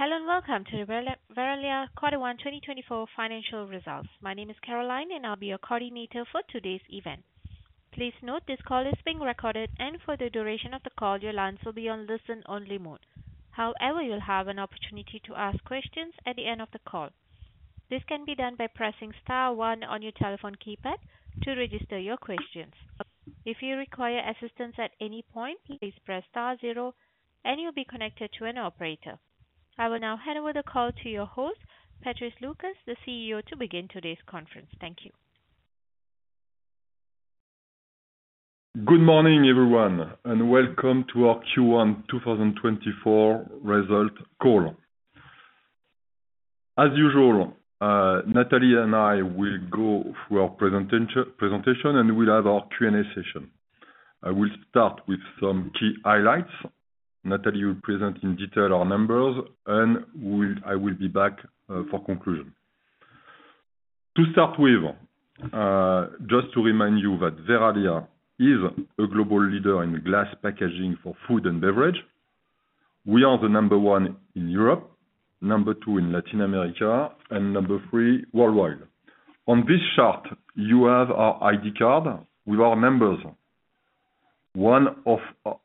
Hello, and welcome to the Verallia Quarter One 2024 Financial Results. My name is Caroline, and I'll be your coordinator for today's event. Please note, this call is being recorded, and for the duration of the call, your lines will be on listen-only mode. However, you'll have an opportunity to ask questions at the end of the call. This can be done by pressing star one on your telephone keypad to register your questions. If you require assistance at any point, please press star zero, and you'll be connected to an operator. I will now hand over the call to your host, Patrice Lucas, the CEO, to begin today's conference. Thank you. Good morning, everyone, and welcome to our Q1 2024 result call. As usual, Nathalie and I will go through our presentation, and we'll have our Q&A session. I will start with some key highlights. Nathalie will present in detail our numbers, and I will be back for conclusion. To start with, just to remind you that Verallia is a global leader in glass packaging for food and beverage. We are the number 1 in Europe, number two in Latin America, and number three worldwide. On this chart, you have our ID card with our members. One of our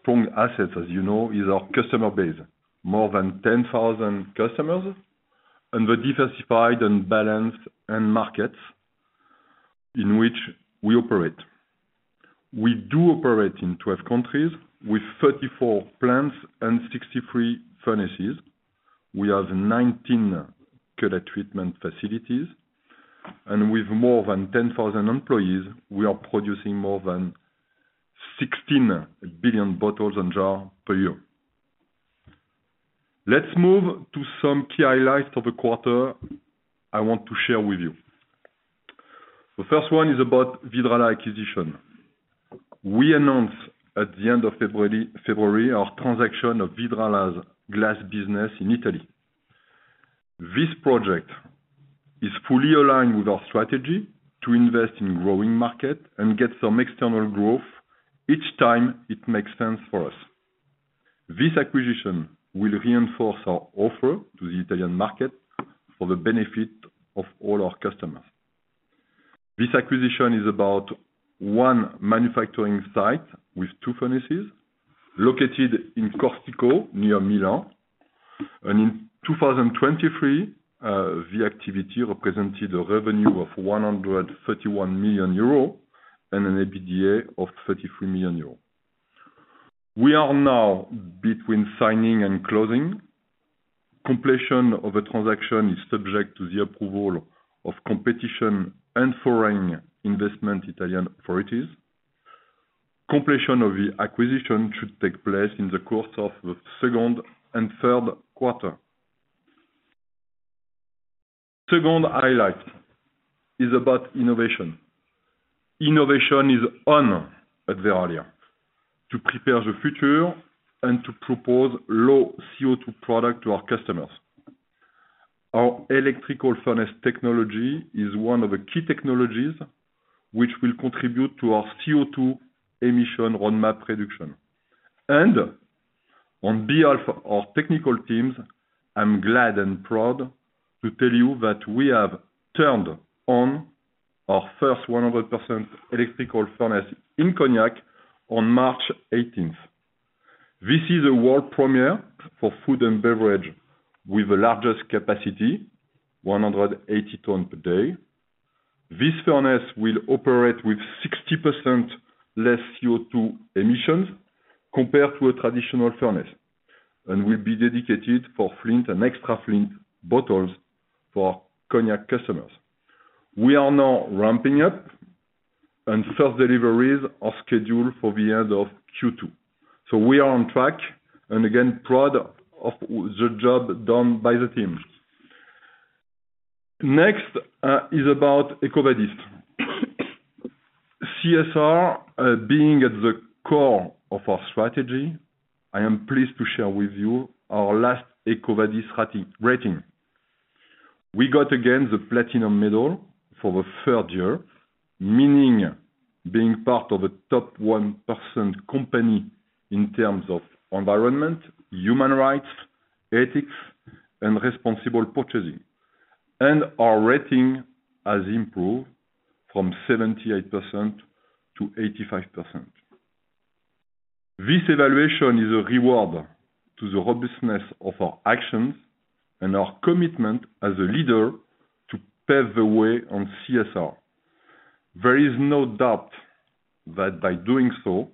strong assets, as you know, is our customer base, more than 10,000 customers, and the diversified and balanced end markets in which we operate. We do operate in 12 countries, with 34 plants and 63 furnaces. We have 19 color treatment facilities, and with more than 10,000 employees, we are producing more than 16 billion bottles and jars per year. Let's move to some key highlights for the quarter I want to share with you. The first one is about Vidrala acquisition. We announced at the end of February our transaction of Vidrala's glass business in Italy. This project is fully aligned with our strategy to invest in growing market and get some external growth each time it makes sense for us. This acquisition will reinforce our offer to the Italian market for the benefit of all our customers. This acquisition is about one manufacturing site with two furnaces located in Corsico, near Milan. In 2023, the activity represented a revenue of 131 million euros, and an EBITDA of 33 million euros. We are now between signing and closing. Completion of a transaction is subject to the approval of competition and foreign investment Italian authorities. Completion of the acquisition should take place in the course of the second and third quarter. Second highlight is about innovation. Innovation is on at Verallia to prepare the future and to propose low CO2 product to our customers. Our electrical furnace technology is one of the key technologies which will contribute to our CO2 emission roadmap reduction. And on behalf of our technical teams, I'm glad and proud to tell you that we have turned on our first 100% electrical furnace in Cognac on March 18th. This is a world premiere for food and beverage with the largest capacity, 180 tons per day. This furnace will operate with 60% less CO2 emissions compared to a traditional furnace, and will be dedicated for flint and extra flint bottles for Cognac customers. We are now ramping up, and first deliveries are scheduled for the end of Q2. So we are on track, and again, proud of, of the job done by the team. Next, is about EcoVadis. CSR, being at the core of our strategy, I am pleased to share with you our last EcoVadis rating. We got, again, the platinum medal for the third year, meaning being part of a top 1% company in terms of environment, human rights, ethics, and responsible purchasing. And our rating has improved from 78% to 85%. This evaluation is a reward to the robustness of our actions and our commitment as a leader to pave the way on CSR. There is no doubt that by doing so,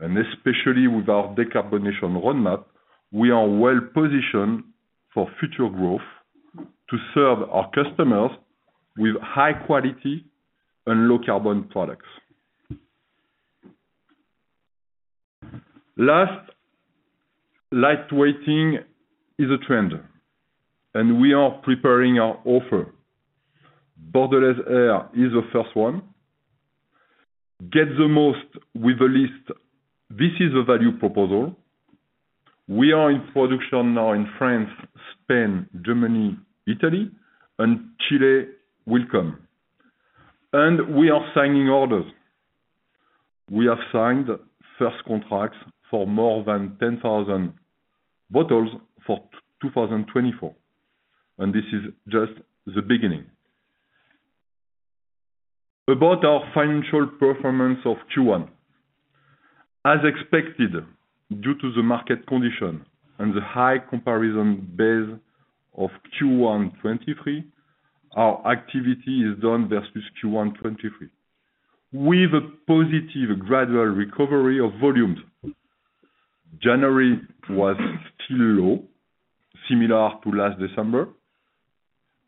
and especially with our decarbonization roadmap, we are well positioned for future growth to serve our customers with high quality and low carbon products. Last, lightweighting is a trend, and we are preparing our offer. Bordelaise Air is the first one. Get the most with the least, this is a value proposal. We are in production now in France, Spain, Germany, Italy, and Chile will come. And we have signed first contracts for more than 10,000 bottles for 2024, and this is just the beginning. About our financial performance of Q1. As expected, due to the market condition and the high comparison base of Q1 2023, our activity is down versus Q1 2023, with a positive gradual recovery of volumes. January was still low, similar to last December.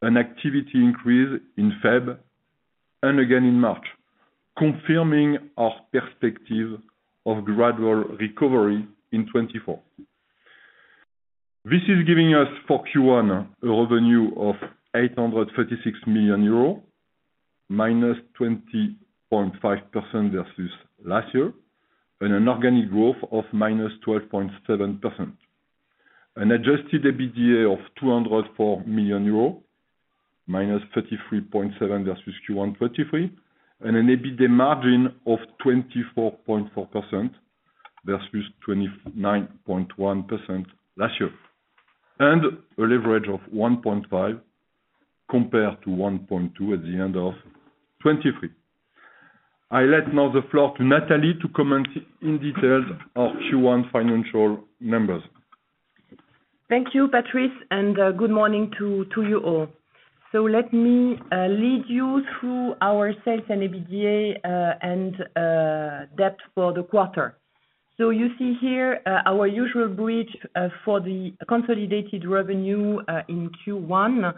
An activity increase in Feb and again in March, confirming our perspective of gradual recovery in 2024. This is giving us, for Q1, a revenue of 836 million euros, -20.5% versus last year, and an organic growth of -12.7%. An adjusted EBITDA of 204 million euros, -33.7% versus Q1 2023, and an EBITDA margin of 24.4% versus 29.1% last year. And a leverage of 1.5 compared to 1.2 at the end of 2023. I let now the floor to Nathalie to comment in detail our Q1 financial numbers. Thank you, Patrice, and good morning to you all. So let me lead you through our sales and EBITDA and debt for the quarter. So you see here our usual bridge for the consolidated revenue in Q1.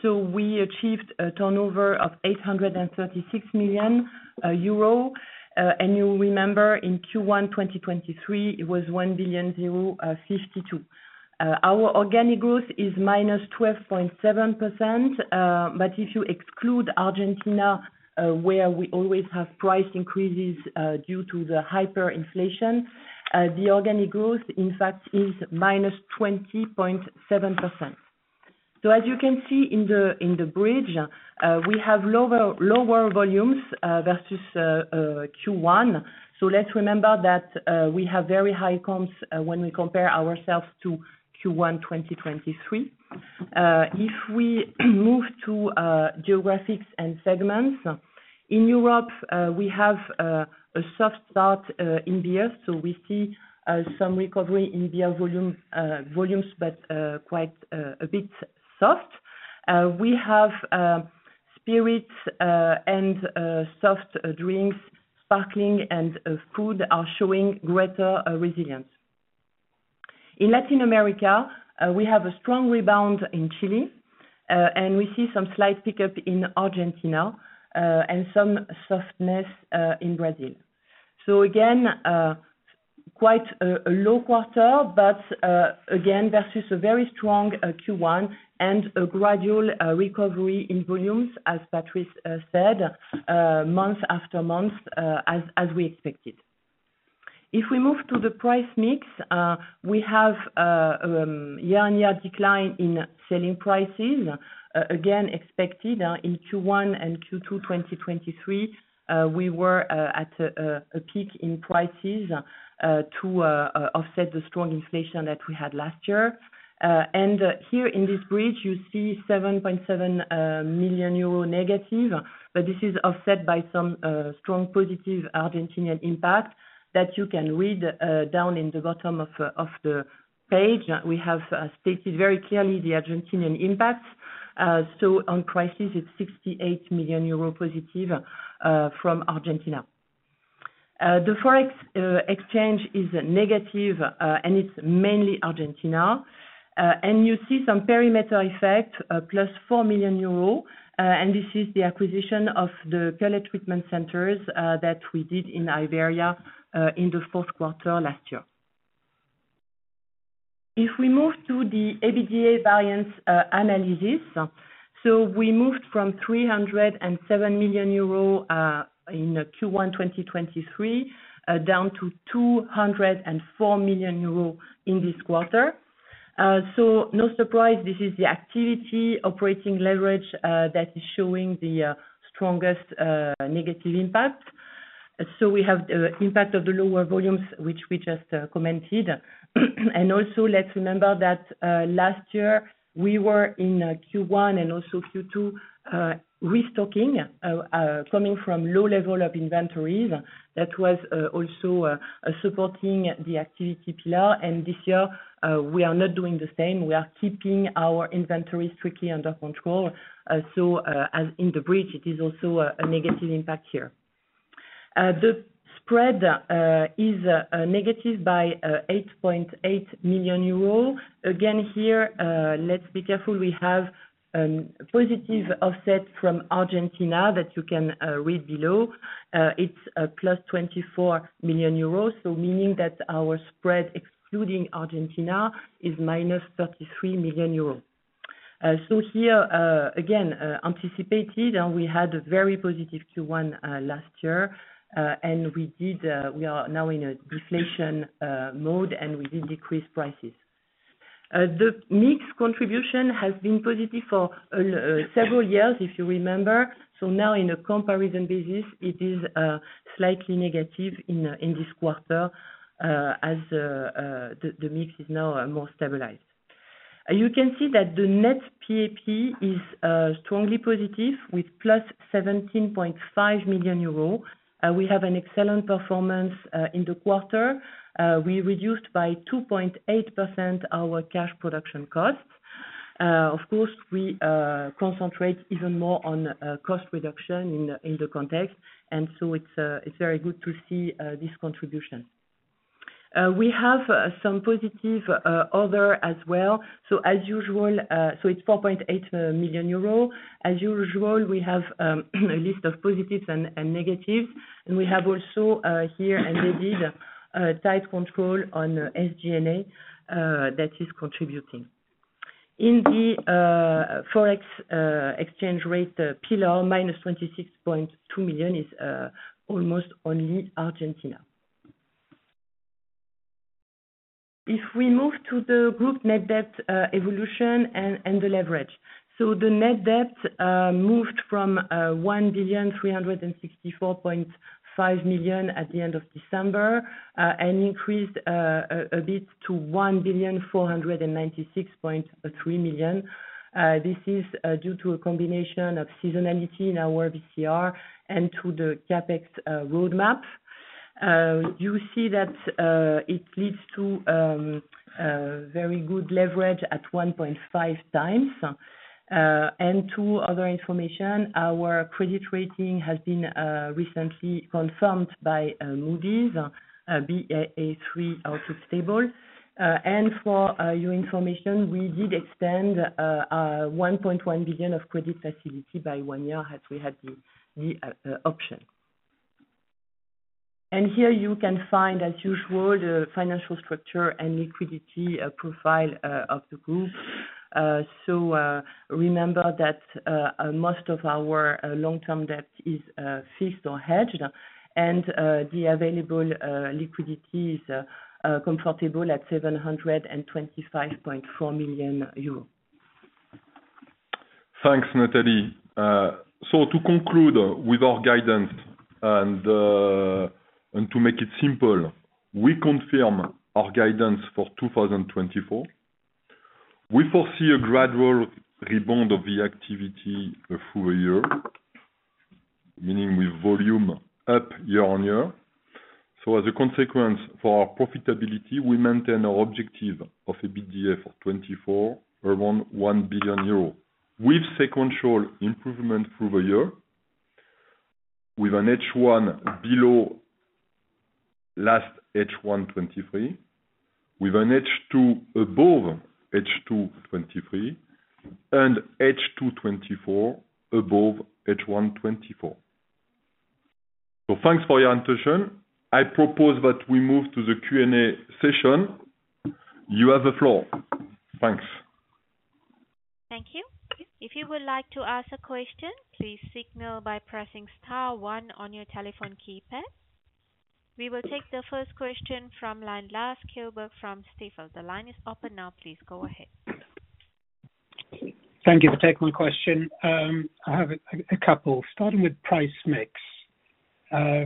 So we achieved a turnover of 836 million euro. And you remember in Q1, 2023, it was 1,052 million. Our organic growth is -12.7%, but if you exclude Argentina, where we always have price increases due to the hyperinflation, the organic growth, in fact, is -20.7%. So as you can see in the bridge, we have lower volumes versus Q1. So let's remember that we have very high costs when we compare ourselves to Q1 2023. If we move to geographies and segments, in Europe we have a soft start in beer. So we see some recovery in beer volumes, but quite a bit soft. We have spirits and soft drinks, sparkling and food are showing greater resilience. In Latin America we have a strong rebound in Chile and we see some slight pickup in Argentina and some softness in Brazil. So again quite a low quarter, but again versus a very strong Q1 and a gradual recovery in volumes, as Patrice said month after month as we expected. If we move to the price mix, we have year-on-year decline in selling prices, again, expected in Q1 and Q2, 2023. We were at a peak in prices to offset the strong inflation that we had last year. Here in this bridge, you see 7.7 million euro negative, but this is offset by some strong positive Argentinian impact that you can read down in the bottom of the page. We have stated very clearly the Argentinian impact. So on prices, it's 68 million euro positive from Argentina. The Forex exchange is negative, and it's mainly Argentina. And you see some perimeter effect, plus 4 million euro, and this is the acquisition of the pellet treatment centers, that we did in Iberia, in the fourth quarter last year. If we move to the EBITDA variance analysis, so we moved from 307 million euro in Q1 2023, down to 204 million euro in this quarter. So no surprise, this is the activity operating leverage, that is showing the strongest negative impact. So we have the impact of the lower volumes, which we just commented. And also, let's remember that last year, we were in Q1 and also Q2, restocking coming from low level of inventories. That was also supporting the activity pillar. And this year, we are not doing the same. We are keeping our inventories strictly under control. So, as in the bridge, it is also a negative impact here. The spread is negative by 8.8 million euro. Again, here, let's be careful, we have positive offset from Argentina that you can read below. It's plus 24 million euros, so meaning that our spread, excluding Argentina, is minus 33 million euros. So here, again, anticipated, and we had a very positive Q1 last year, and we did, we are now in a deflation mode, and we did decrease prices. The mix contribution has been positive for several years, if you remember. So now in a comparison business, it is, slightly negative in, in this quarter, as, the mix is now, more stabilized. You can see that the net PAP is, strongly positive with +17.5 million euros. We have an excellent performance, in the quarter. We reduced by 2.8% our cash production costs. Of course, we, concentrate even more on, cost reduction in, in the context, and so it's, very good to see, this contribution. We have, some positive, other as well. So as usual, so it's 4.8 million euro. As usual, we have, a list of positives and negatives, and we have also, here embedded, tight control on SG&A, that is contributing. In the Forex exchange rate pillar, -26.2 million is almost only Argentina. If we move to the group net debt evolution and the leverage. So the net debt moved from 1,364.5 million at the end of December and increased a bit to 1,496.3 million. This is due to a combination of seasonality in our WCR and to the CapEx roadmap. You see that it leads to a very good leverage at 1.5 times. And two other information, our credit rating has been recently confirmed by Moody's Baa3 Outlook stable. For your information, we did extend 1.1 billion of credit facility by one year, as we had the option. Here you can find, as usual, the financial structure and liquidity profile of the group. Remember that most of our long-term debt is fixed or hedged, and the available liquidity is comfortable at 725.4 million euros. Thanks, Nathalie. So to conclude with our guidance and to make it simple, we confirm our guidance for 2024. We foresee a gradual rebound of the activity through a year, meaning with volume up year-on-year. So as a consequence for our profitability, we maintain our objective of EBITDA of 2024 around 1 billion euros. We've sequential improvement through the year, with an H1 below last H1 2023, with an H2 above H2 2023, and H2 2024 above H1 2024. So thanks for your attention. I propose that we move to the Q&A session. You have the floor. Thanks. Thank you. If you would like to ask a question, please signal by pressing star one on your telephone keypad. We will take the first question from line, Lars Kjellberg from Stifel. The line is open now, please go ahead. Thank you for taking my question. I have a couple, starting with price mix.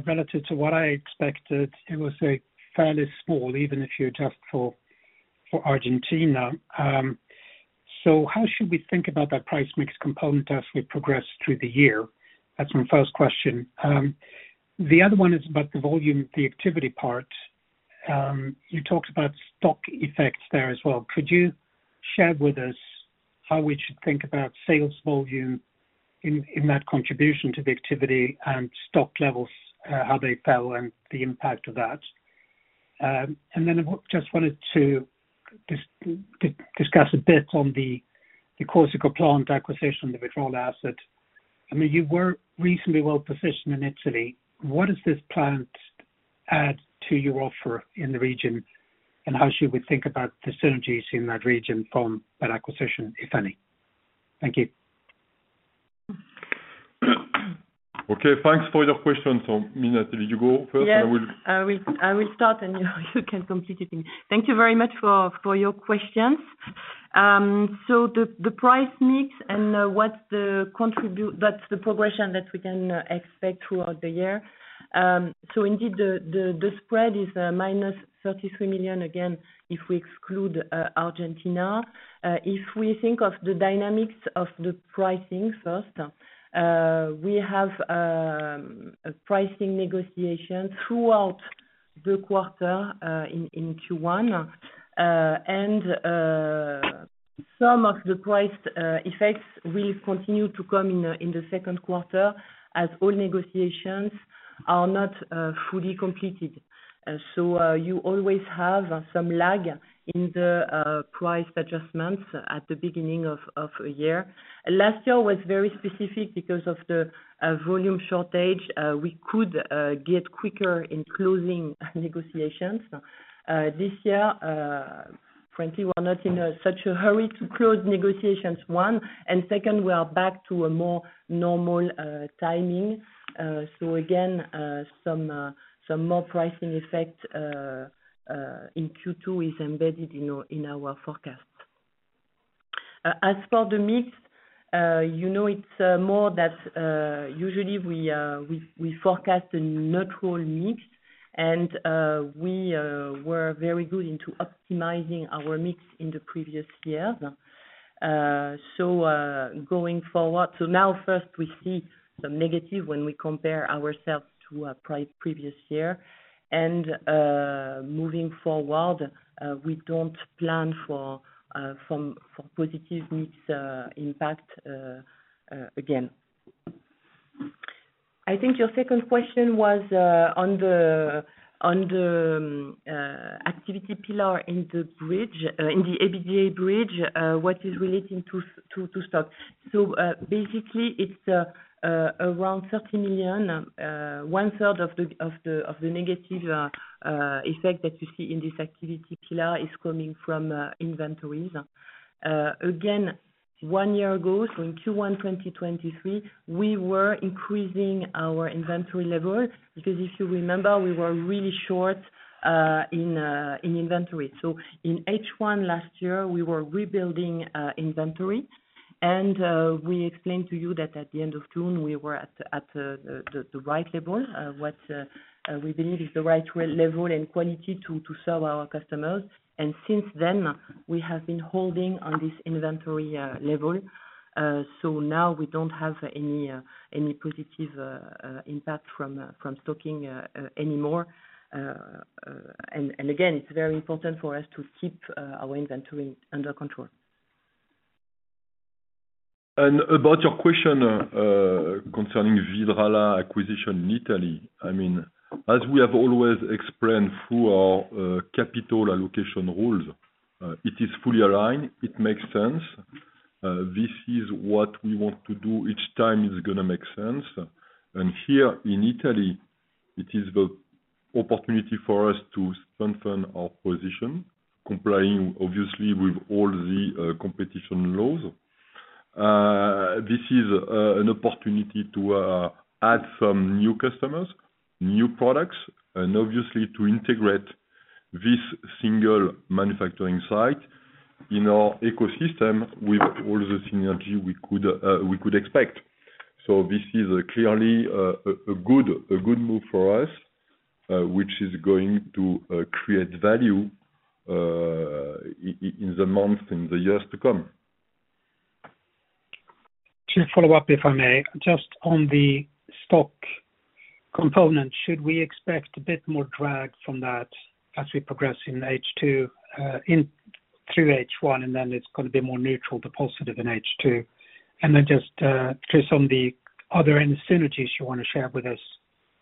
Relative to what I expected, it was a fairly small, even if you adjust for Argentina. So how should we think about that price mix component as we progress through the year? That's my first question. The other one is about the volume, the activity part. You talked about stock effects there as well. Could you share with us how we should think about sales volume in that contribution to the activity and stock levels, how they fell and the impact of that? And then I just wanted to discuss a bit on the Corsico plant acquisition, the Vidrala asset. I mean, you were reasonably well positioned in Italy. What does this plant add to your offer in the region, and how should we think about the synergies in that region from that acquisition, if any? Thank you. Okay, thanks for your question. So Nathalie, will you go first? Yes. I will- I will start, and you can complete it then. Thank you very much for your questions. So the price mix and that's the progression that we can expect throughout the year. So indeed, the spread is minus 33 million, again, if we exclude Argentina. If we think of the dynamics of the pricing first, we have a pricing negotiation throughout the quarter in Q1. And some of the price effects will continue to come in in the second quarter, as all negotiations are not fully completed. So you always have some lag in the price adjustments at the beginning of a year. Last year was very specific because of the volume shortage. We could get quicker in closing negotiations. This year, frankly, we're not in such a hurry to close negotiations, one, and second, we are back to a more normal timing. So again, some more pricing effect in Q2 is embedded in our forecast. As for the mix, you know, it's more that usually we forecast a neutral mix, and we were very good at optimizing our mix in the previous year. So going forward, so now first we see some negative when we compare ourselves to previous year, and moving forward, we don't plan for positive mix impact again. I think your second question was, on the activity pillar in the bridge, in the EBITDA bridge, what is relating to stock? So, basically it's around 30 million, one third of the negative effect that you see in this activity pillar is coming from inventories. Again, one year ago, so in Q1 2023, we were increasing our inventory level, because if you remember, we were really short in inventory. So in H1 last year, we were rebuilding inventory, and we explained to you that at the end of June, we were at the right level, what we believe is the right level and quality to serve our customers. Since then, we have been holding on this inventory level. So now we don't have any positive impact from stocking anymore. And again, it's very important for us to keep our inventory under control. And about your question concerning Vidrala acquisition in Italy. I mean, as we have always explained through our capital allocation rules, it is fully aligned. It makes sense. This is what we want to do each time it's gonna make sense. And here in Italy, it is the opportunity for us to strengthen our position, complying, obviously, with all the competition laws. This is an opportunity to add some new customers, new products, and obviously to integrate this single manufacturing site in our ecosystem with all the synergy we could expect. So this is clearly a good move for us, which is going to create value in the months, in the years to come. To follow up, if I may. Just on the stock component, should we expect a bit more drag from that as we progress in H2, in through H1, and then it's gonna be more neutral to positive in H2? And then just on the other synergies you wanna share with us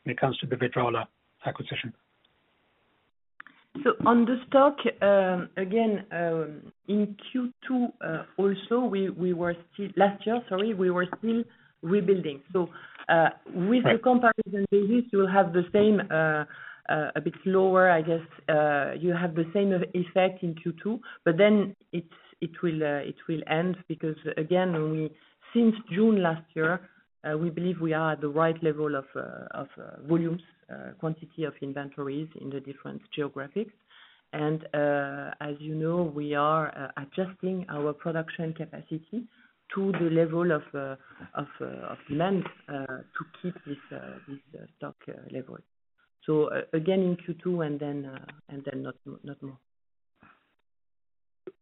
when it comes to the Vidrala acquisition. So on the stock, again, in Q2, also we were still... Last year, sorry, we were still rebuilding. So, with- Right... the comparison basis, you will have the same, a bit lower, I guess. You have the same effect in Q2, but then it's, it will, it will end. Because again, we, since June last year, we believe we are at the right level of, of, volumes, quantity of inventories in the different geographies. And, as you know, we are, adjusting our production capacity to the level of, of, of demand, to keep this, this, stock, level. So again, in Q2, and then, and then not, not more.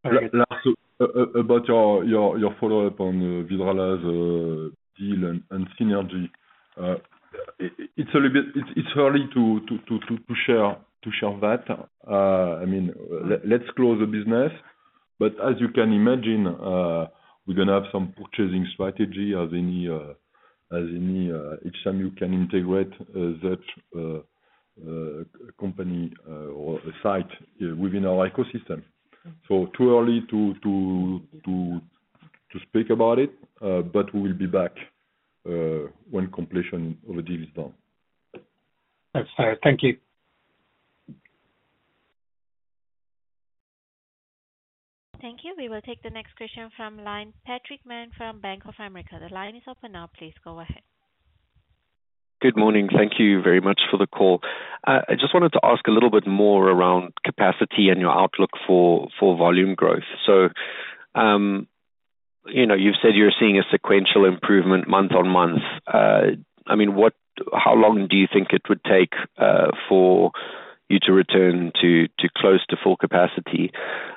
All right. So about your follow-up on Vidrala's deal and synergy. It's a little bit early to share that. I mean, let's close the business, but as you can imagine, we're gonna have some purchasing strategy as any HMU can integrate that company or a site within our ecosystem. So too early to speak about it, but we will be back when completion of the deal is done. That's fair. Thank you. Thank you. We will take the next question from line... Patrick Mann from Bank of America. The line is open now, please go ahead. Good morning. Thank you very much for the call. I just wanted to ask a little bit more around capacity and your outlook for, for volume growth. So, you know, you've said you're seeing a sequential improvement month-on-month. I mean, what... How long do you think it would take, for you to return to, to close to full capacity?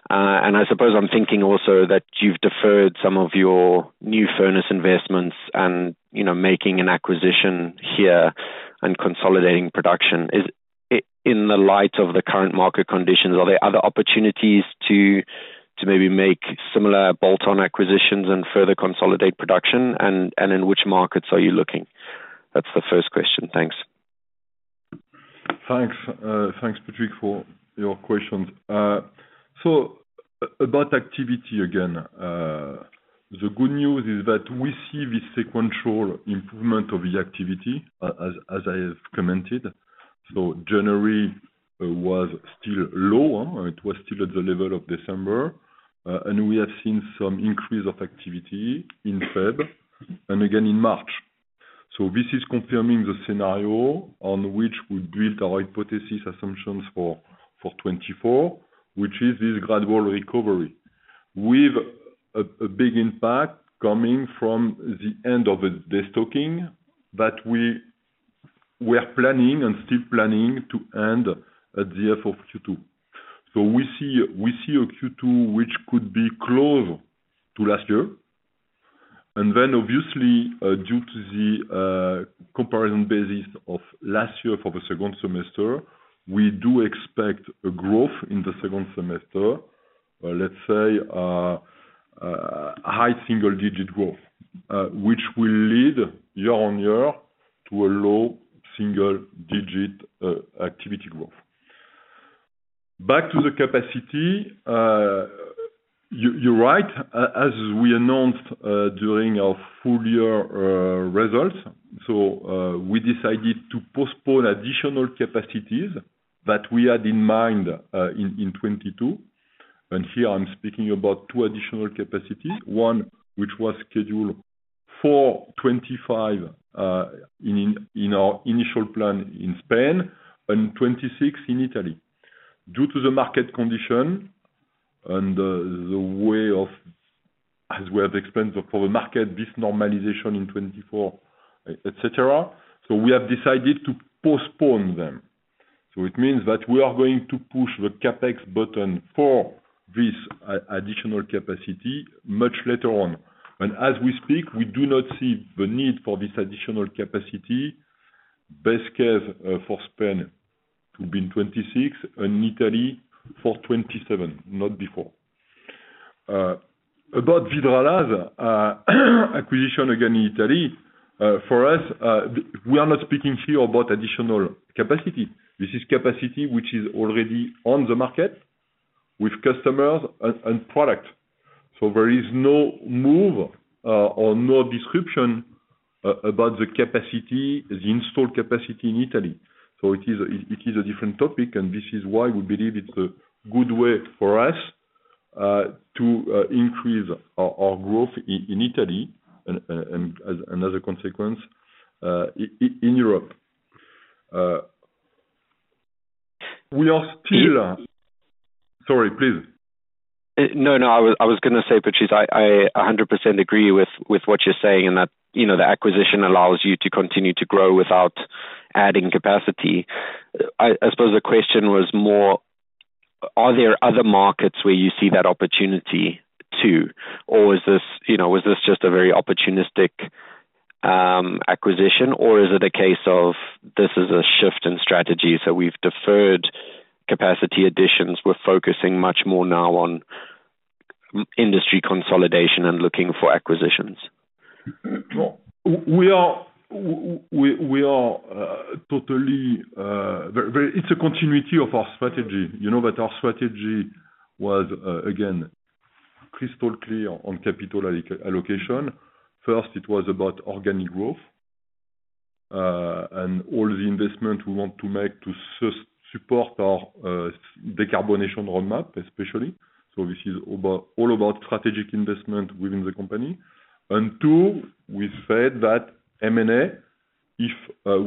And I suppose I'm thinking also that you've deferred some of your new furnace investments and, you know, making an acquisition here, and consolidating production. Is it in the light of the current market conditions, are there other opportunities to, to maybe make similar bolt-on acquisitions and further consolidate production? And in which markets are you looking? That's the first question. Thanks. Thanks, Patrick, for your questions. So about activity again, the good news is that we see the sequential improvement of the activity, as, as I have commented. So January was still low, it was still at the level of December. And we have seen some increase of activity in February and again in March. So this is confirming the scenario on which we built our hypothesis assumptions for, for 2024, which is this gradual recovery, with a, a big impact coming from the end of the destocking that we, we are planning and still planning to end at the end of Q2. So we see, we see a Q2 which could be close to last year, and then obviously, due to the comparison basis of last year for the second semester, we do expect a growth in the second semester. Let's say high single digit growth, which will lead year-on-year to a low single digit activity growth. Back to the capacity, you, you're right. As we announced during our full-year results, so we decided to postpone additional capacities that we had in mind in 2022. And here I'm speaking about two additional capacities, one, which was scheduled for 2025 in our initial plan in Spain, and 2026 in Italy. Due to the market condition and the way of, as we have explained for the market, this normalization in 2024, et cetera, so we have decided to postpone them. So it means that we are going to push the CapEx button for this additional capacity much later on. And as we speak, we do not see the need for this additional capacity, best case, for Spain to be in 2026, and Italy for 2027, not before. About Vidrala's acquisition again, in Italy, for us, we are not speaking here about additional capacity. This is capacity which is already on the market with customers and product, so there is no move, or no disruption about the capacity, the installed capacity in Italy. So it is a different topic, and this is why we believe it's a good way for us to increase our growth in Italy and as another consequence in Europe. We are still- Sorry, please. No, no, I was gonna say, Patrice, I 100% agree with what you're saying, in that, you know, the acquisition allows you to continue to grow without adding capacity. I suppose the question was more, are there other markets where you see that opportunity too, or is this, you know, was this just a very opportunistic acquisition, or is it a case of this is a shift in strategy, so we've deferred capacity additions, we're focusing much more now on industry consolidation and looking for acquisitions? Well, we are totally very, very... It's a continuity of our strategy. You know, that our strategy was again crystal clear on capital allocation. First, it was about organic growth and all the investment we want to make to support our decarbonization roadmap, especially. So this is about, all about strategic investment within the company. And two, we said that M&A, if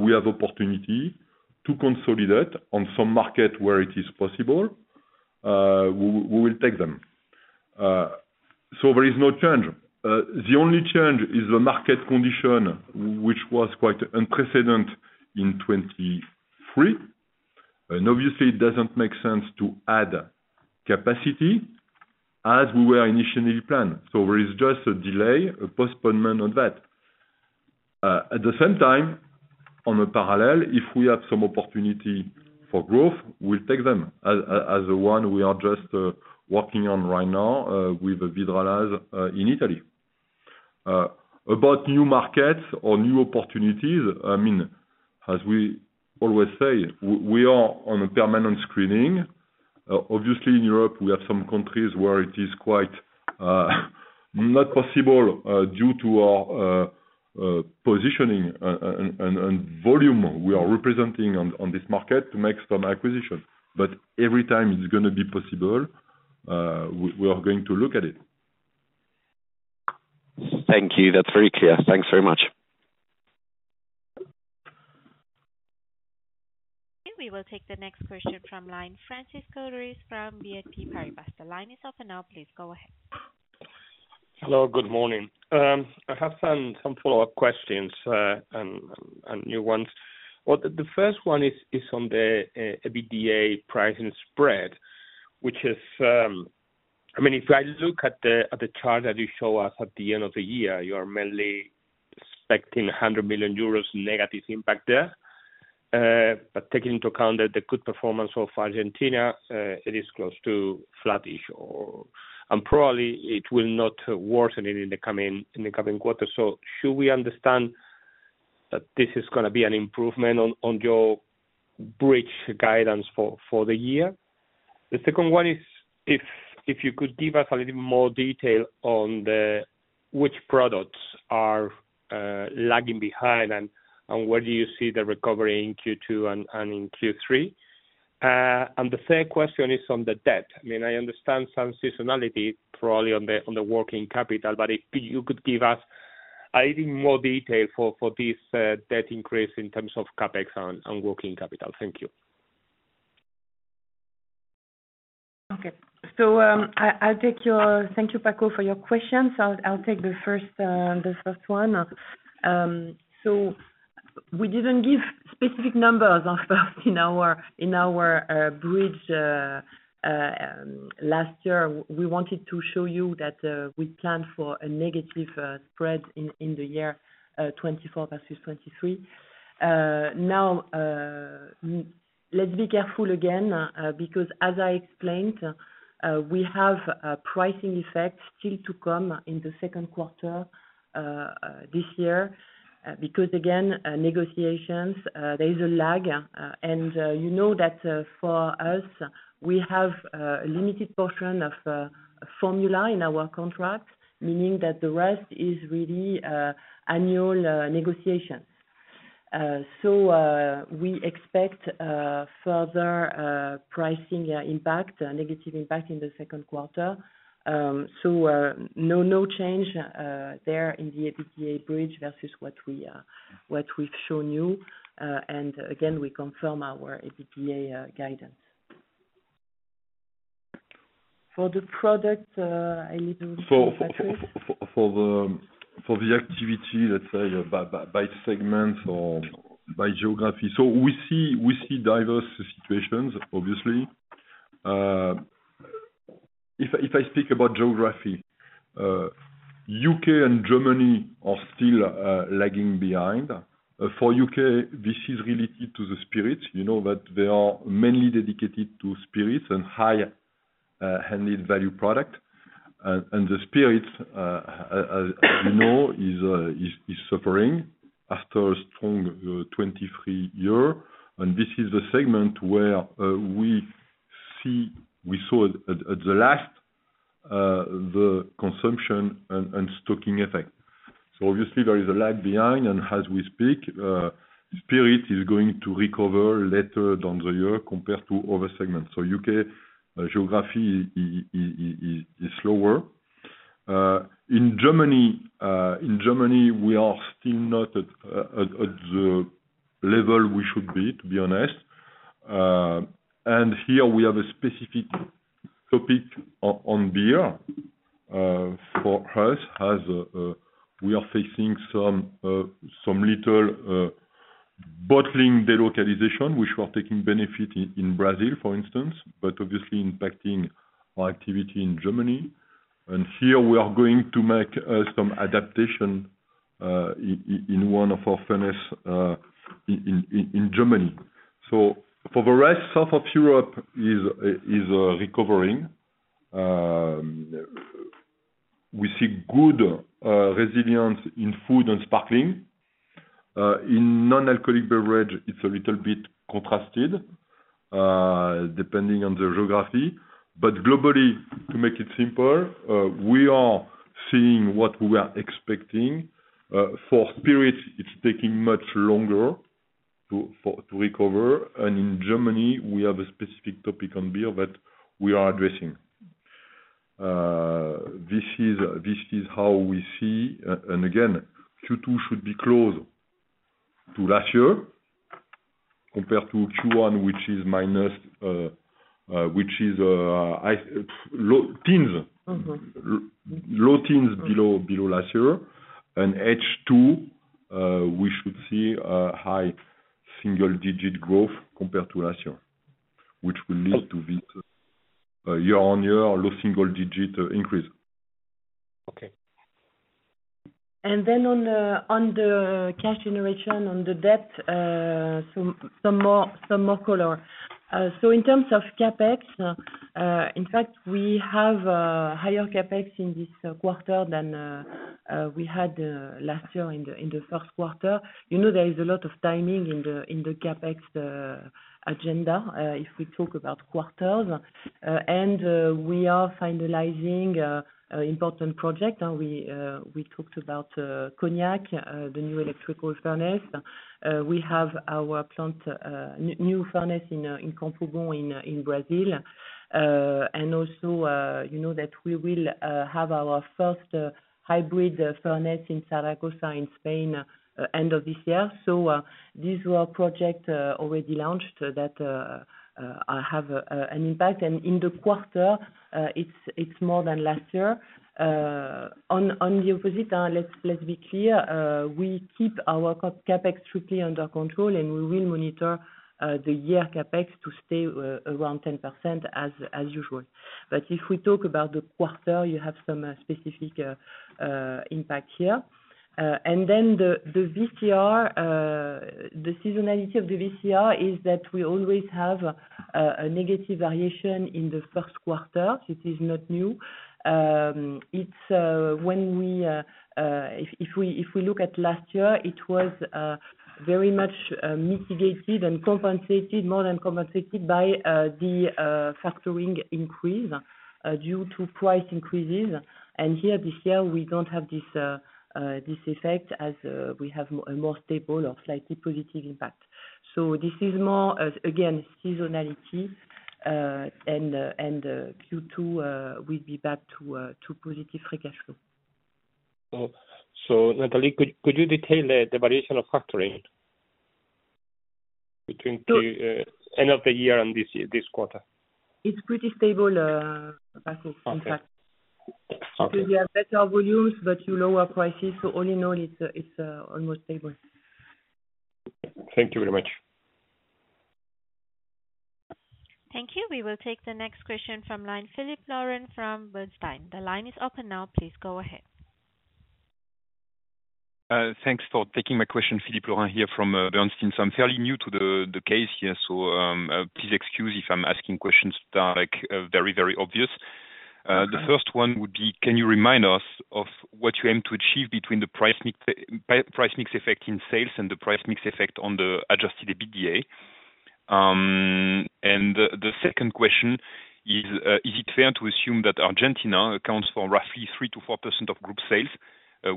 we have opportunity to consolidate on some market where it is possible, we will take them. So there is no change. The only change is the market condition, which was quite unprecedented in 2023, and obviously it doesn't make sense to add capacity as we were initially planned. So there is just a delay, a postponement on that. At the same time, on a parallel, if we have some opportunity for growth, we'll take them. As the one we are just working on right now with Vidrala in Italy. About new markets or new opportunities, I mean, as we always say, we are on a permanent screening. Obviously in Europe we have some countries where it is quite not possible due to our positioning and volume we are representing on this market to make some acquisition. But every time it's gonna be possible, we are going to look at it. Thank you. That's very clear. Thanks very much. We will take the next question from line, Francisco Ruiz from BNP Paribas. The line is open now, please go ahead. Hello, good morning. I have some follow-up questions and new ones. Well, the first one is on the EBITDA pricing spread, which is... I mean, if I look at the chart that you show us at the end of the year, you are mainly expecting 100 million euros negative impact there. But taking into account the good performance of Argentina, it is close to flattish or, and probably it will not worsen in the coming quarter. So should we understand that this is gonna be an improvement on your bridge guidance for the year? The second one is, if you could give us a little more detail on which products are lagging behind, and where do you see the recovery in Q2 and in Q3?... The third question is on the debt. I mean, I understand some seasonality probably on the working capital, but if you could give us a little more detail for this debt increase in terms of CapEx and working capital. Thank you. Okay. So, I'll take. Thank you, Paco, for your questions. I'll take the first one. So we didn't give specific numbers in our bridge last year. We wanted to show you that we planned for a negative spread in the year 2024 versus 2023. Now, let's be careful again, because as I explained, we have pricing effects still to come in the second quarter this year. Because again, negotiations, there is a lag, and you know that, for us, we have limited portion of formula in our contract, meaning that the rest is really annual negotiations. So, we expect further pricing impact, negative impact in the second quarter. So, no change there in the EBITDA bridge versus what we've shown you. And again, we confirm our EBITDA guidance. For the product, I need you, Patrick. For the activity, let's say, by segment or by geography, so we see diverse situations, obviously. If I speak about geography, U.K. and Germany are still lagging behind. For U.K., this is related to the spirits, you know, that they are mainly dedicated to spirits and high-end value product. And the spirits, you know, is suffering after a strong 2023. And this is the segment where we saw at the last the consumption and stocking effect. So obviously there is a lag behind, and as we speak, spirit is going to recover later during the year compared to other segments. So U.K. geography is slower. In Germany, in Germany, we are still not at the level we should be, to be honest. And here we have a specific topic on beer, for us, as we are facing some little bottling delocalization, which we are taking benefit in, in Brazil, for instance, but obviously impacting our activity in Germany. And here we are going to make some adaptation in one of our furnace in Germany. So for the rest, south of Europe is recovering. We see good resilience in food and sparkling. In non-alcoholic beverage, it's a little bit contrasted depending on the geography. But globally, to make it simple, we are seeing what we are expecting. For spirits, it's taking much longer to recover. And in Germany, we have a specific topic on beer that we are addressing. This is how we see, and again, Q2 should be close to last year, compared to Q1, which is minus low teens. Low teens below last year. H2, we should see a high single digit growth compared to last year, which will lead to this year-on-year low single digit increase. Okay. Then on the cash generation, on the debt, some more color. So in terms of CapEx, in fact, we have higher CapEx in this quarter than we had last year in the first quarter. You know, there is a lot of timing in the CapEx agenda, if we talk about quarters. And we are finalizing an important project. We talked about Cognac, the new electrical furnace. We have our plant, new furnace in Campinas, in Brazil. And also, you know, that we will have our first hybrid furnace in Zaragoza, in Spain, end of this year. This world project already launched that have an impact. In the quarter, it's more than last year. On the opposite, let's be clear, we keep our CapEx strictly under control, and we will monitor the year CapEx to stay around 10% as usual. If we talk about the quarter, you have some specific impact here. And then the VCR, the seasonality of the VCR is that we always have a negative variation in the first quarter. This is not new. It's when we, if we look at last year, it was very much mitigated and compensated, more than compensated by the factoring increase due to price increases. And here, this year, we don't have this effect as we have a more stable or slightly positive impact. So this is more as again seasonality, and Q2 will be back to positive free cash flow. Oh, so Nathalie, could you detail the variation of factoring between the end of the year and this year, this quarter? It's pretty stable, Paco, in fact. Okay. Because you have better volumes, but you lower prices, so all in all, it's, it's, almost stable. Thank you very much. Thank you. We will take the next question from line, Philippe Lorrain from Bernstein. The line is open now, please go ahead. Thanks for taking my question, Philippe Lorrain, here from Bernstein. So I'm fairly new to the case here, so please excuse if I'm asking questions that are, like, very, very obvious. Okay. The first one would be, can you remind us of what you aim to achieve between the price mix effect in sales, and the price mix effect on the adjusted EBITDA? The second question is, is it fair to assume that Argentina accounts for roughly 3%-4% of group sales,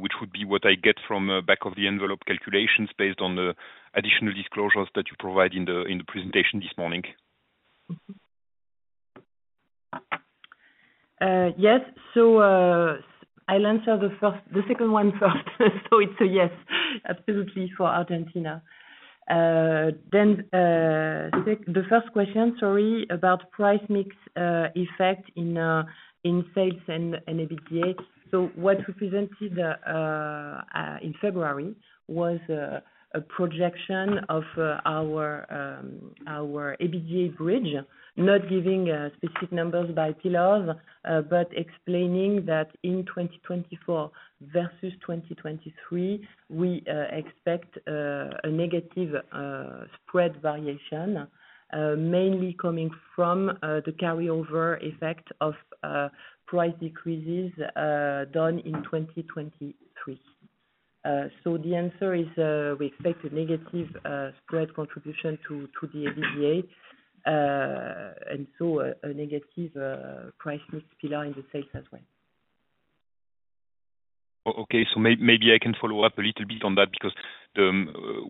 which would be what I get from back-of-the-envelope calculations, based on the additional disclosures that you provide in the presentation this morning? Yes. So, I'll answer the first... The second one first. So it's a yes, absolutely for Argentina. Then, the first question, sorry, about price mix, effect in, in sales and, and EBITDA. So what we presented, in February, was, a projection of, our, our EBITDA bridge, not giving, specific numbers by pillars. But explaining that in 2024 versus 2023, we, expect, a negative, spread variation, mainly coming from, the carryover effect of, price decreases, done in 2023. So the answer is, we expect a negative, spread contribution to, to the EBITDA, and so a, a negative, price mix pillar in the sales as well. Okay, so maybe I can follow up a little bit on that, because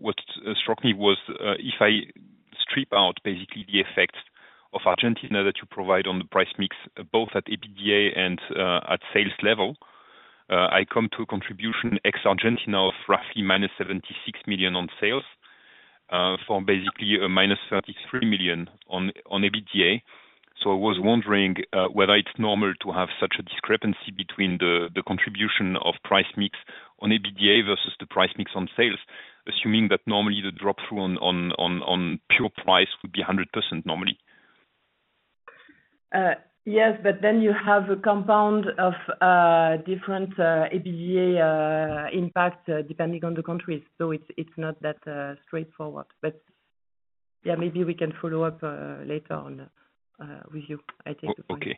what struck me was, if I strip out basically the effect of Argentina that you provide on the price mix, both at EBITDA and at sales level, I come to a contribution ex Argentina of roughly -76 million on sales, for basically a -33 million on EBITDA. So I was wondering, whether it's normal to have such a discrepancy between the contribution of price mix on EBITDA versus the price mix on sales, assuming that normally the drop through on pure price would be 100% normally? Yes, but then you have a compound of different EBITDA impact depending on the countries. So it's not that straightforward. But yeah, maybe we can follow up later on with you. I take the point. O- okay.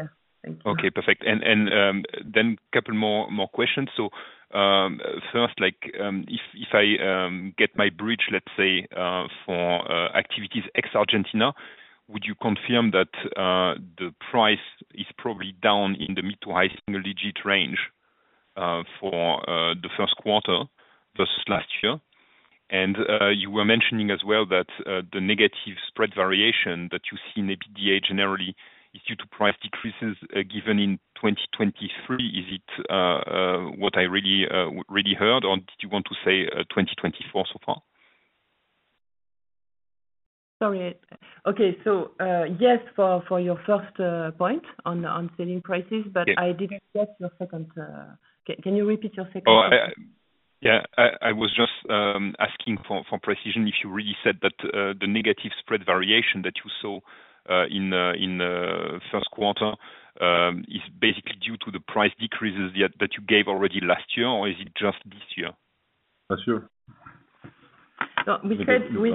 Yeah. Thank you. Okay, perfect. And then a couple more questions. So, first, like, if I get my bridge, let's say, for activities ex Argentina, would you confirm that the price is probably down in the mid- to high-single-digit range, for the first quarter versus last year? And, you were mentioning as well that the negative spread variation that you see in EBITDA generally is due to price decreases, given in 2023. Is it what I really, really heard, or did you want to say 2024 so far? Sorry. Okay. So, yes, for your first point on selling prices- Yeah. - but I didn't get your second, can you repeat your second one? Yeah, I was just asking for precision if you really said that the negative spread variation that you saw in first quarter is basically due to the price decreases yeah that you gave already last year, or is it just this year? Last year. No, we said, we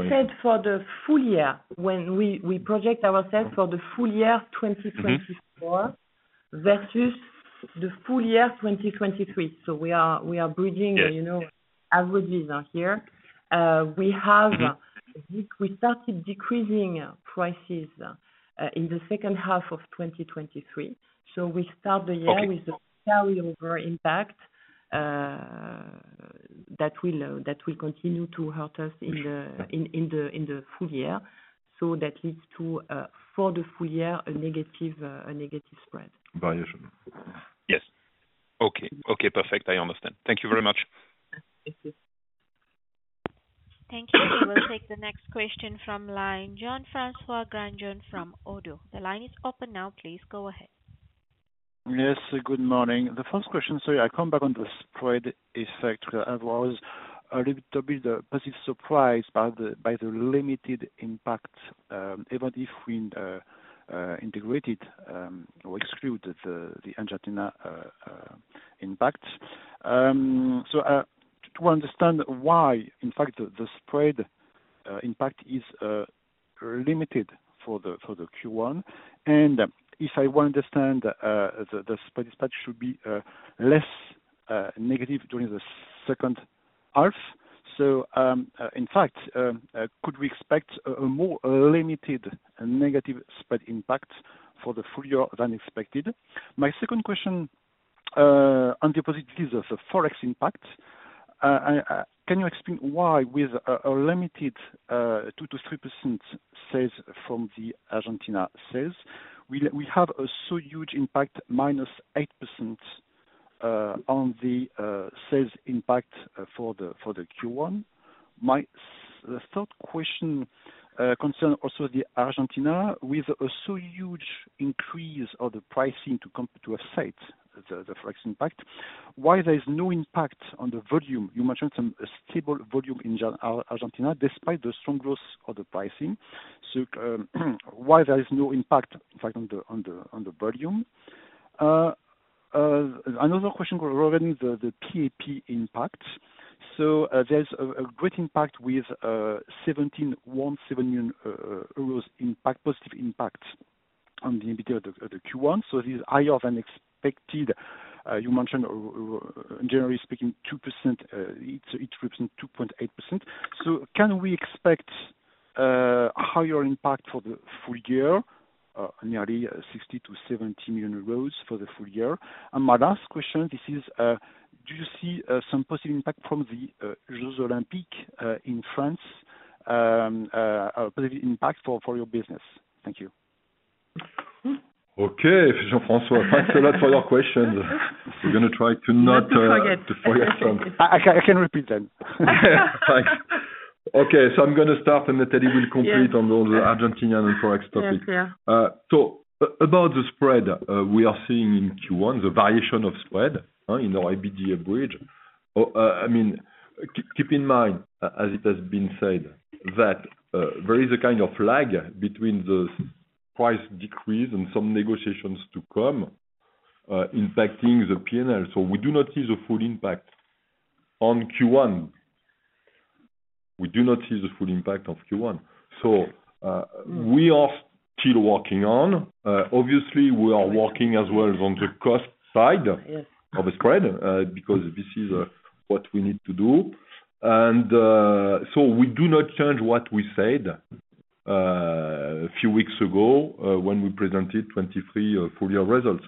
said for the full-year, when we project ourselves for the full-year 2024- versus the full-year 2023, so we are, we are bridging- Yes. you know, averages are here. We have- we started decreasing prices in the second half of 2023. So we start the year- Okay... with the carryover impact, that will, that will continue to hurt us in the-in the full-year. So that leads to, for the full-year, a negative spread. Variation. Yes. Okay, okay, perfect. I understand. Thank you very much. Thank you. Thank you. We will take the next question from Jean-François Granjon from Oddo. The line is open now, please go ahead. Yes, good morning. The first question, sorry, I come back on the spread effect. I was a little bit positive surprised by the limited impact, even if we integrated or excluded the Argentina impact. So, to understand why, in fact, the spread impact is limited for the Q1, and if I understand, the spread impact should be less negative during the second half. So, in fact, could we expect a more limited and negative spread impact for the full-year than expected? My second question-... On the positive views of the Forex impact, can you explain why with a limited 2%-3% sales from the Argentina sales, we have a so huge impact, -8%, on the sales impact for the Q1? My second, the third question concerns also the Argentina with a so huge increase of the pricing to offset the Forex impact, why there is no impact on the volume? You mentioned a stable volume in Argentina, despite the strong growth of the pricing. So, why there is no impact, in fact, on the volume? Another question regarding the PAP impact. There's a great impact with 17.17 million euros impact, positive impact on the EBITDA of the Q1, so this is higher than expected. You mentioned generally speaking, 2%, it represents 2.8%. So can we expect higher impact for the full-year, nearly EUR 60 million-EUR 70 million for the full-year? And my last question, do you see some positive impact from the Jeux Olympiques in France, a positive impact for your business? Thank you. Okay, Jean-François, thanks a lot for your questions. We're gonna try to not, Not to forget.... to forget them. I can repeat them. Thanks. Okay, so I'm gonna start, and then Teddy will complete- Yes... on the Argentina and Forex topic. Yes, yeah. So about the spread, we are seeing in Q1 the variation of spread in our EBITDA bridge. I mean, keep in mind, as it has been said, that there is a kind of lag between the price decrease and some negotiations to come, impacting the P&L. So we do not see the full impact on Q1. We do not see the full impact of Q1, so we are still working on, obviously we are working as well on the cost side- Yes... of the spread, because this is what we need to do. So we do not change what we said a few weeks ago, when we presented 2023 full-year results.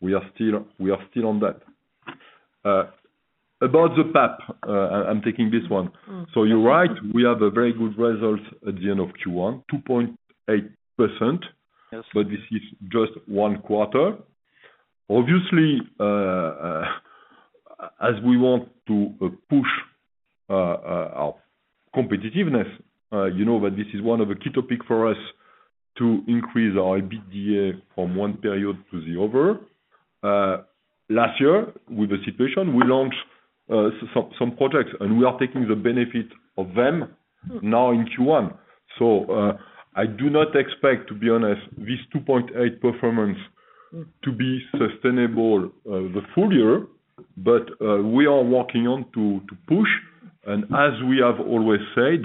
We are still, we are still on that. About the PAP, I'm taking this one. So you're right, we have a very good results at the end of Q1, 2.8%. Yes. But this is just one quarter. Obviously, as we want to push our competitiveness, you know that this is one of the key topic for us to increase our EBITDA from one period to the other. Last year, with the situation, we launched some projects, and we are taking the benefit of them.... now in Q1. So, I do not expect, to be honest, this 2.8 performance to be sustainable, the full-year, but, we are working on to, to push. And as we have always said,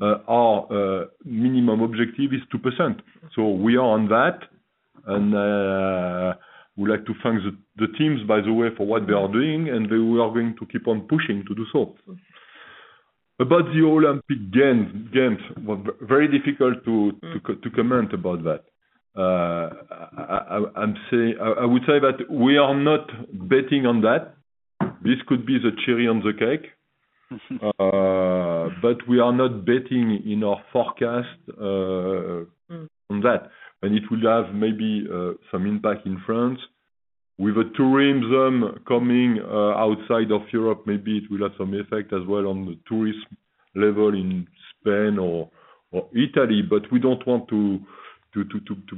our, minimum objective is 2%. So we are on that, and, we'd like to thank the, the teams, by the way, for what they are doing, and we are going to keep on pushing to do so. About the Olympic Games, very difficult to, to comment about that. I would say that we are not betting on that. This could be the cherry on the cake. But we are not betting in our forecast, uh-... on that. And it will have maybe some impact in France, with the tourism coming outside of Europe, maybe it will have some effect as well on the tourist level in Spain or Italy, but we don't want to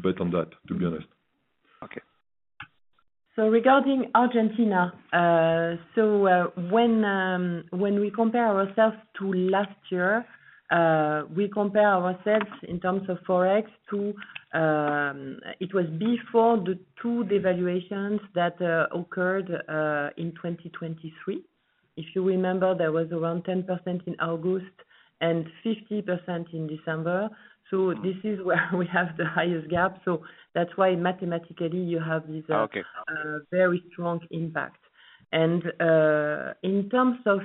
bet on that, to be honest. Okay. So regarding Argentina, when we compare ourselves to last year, we compare ourselves in terms of Forex to... It was before the two devaluations that occurred in 2023. If you remember, there was around 10% in August, and 50% in December. So this is where we have the highest gap, so that's why mathematically you have this, Okay... very strong impact. And, in terms of,